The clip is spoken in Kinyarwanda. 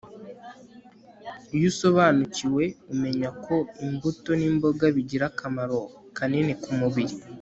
iyo usobanukiwe umenya ko imbuto n'imboga bigirira akamaro kanini kumubiri